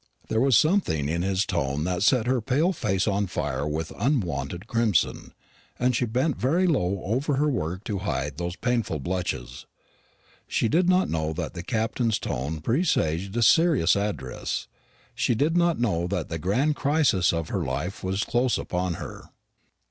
There was something in his tone that set her pale face on fire with unwonted crimson, and she bent very low over her work to hide those painful blushes. She did not know that the Captain's tone presaged a serious address; she did not know that the grand crisis of her life was close upon her.